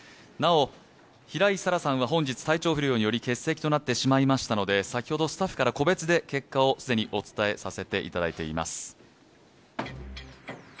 なお、平井沙良さんは本日、体調不良により欠席となってしまいましたので、先ほど、スタッフから個別で既に結果をお伝えさせていただいています。